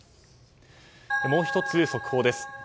もう１つ、速報です。